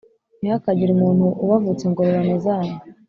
Ntihakagire umuntu ubavutsa ingororano zanyu